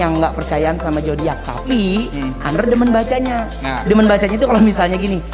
nggak percaya sama jodiac tapi anwar demen bacanya demen bacanya itu kalau misalnya gini